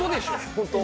本当。